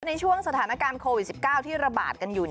ในช่วงสถานการณ์โควิด๑๙ที่ระบาดกันอยู่